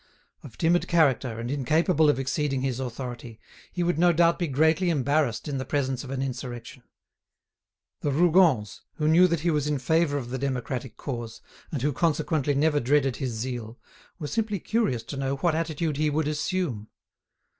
Of timid character and incapable of exceeding his authority, he would no doubt be greatly embarrassed in the presence of an insurrection. The Rougons, who knew that he was in favour of the democratic cause, and who consequently never dreaded his zeal, were simply curious to know what attitude he would assume.